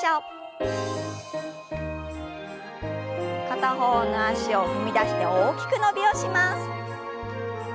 片方の脚を踏み出して大きく伸びをします。